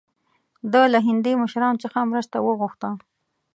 ده له هندي مشرانو څخه مرسته وغوښته.